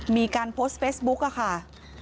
มีการโพสต์เฟซบุ๊กค่ะ